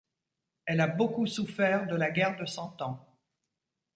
Elle a beaucoup souffert de la guerre de Cent Ans.